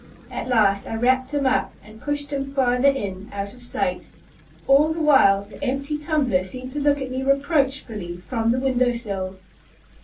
At last I wrapped him up, and pushed him farther in, out of sight. All the while the empty tumbler seemed to look at me reproachfully from the window sill.